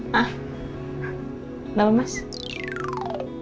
kok memantapkan diri ya